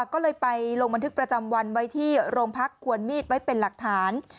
ก็เลยไปลงบันทึกประจำวันไว้ที่โรงพักควรมีดไว้เป็นหลักฐาน